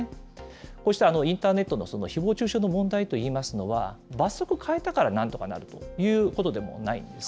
こうしたインターネットのひぼう中傷の問題といいますのは、罰則変えたからなんとかなるということでもないんです。